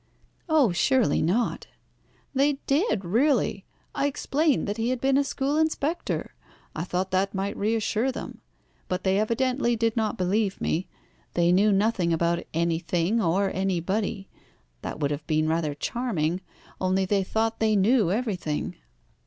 "Oh, surely not." "They did, really. I explained that he had been a school inspector. I thought that might reassure them. But they evidently did not believe me. They knew nothing about anything or anybody. That would have been rather charming, only they thought they knew everything."